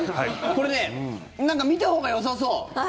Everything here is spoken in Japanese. これなんか見たほうがよさそう。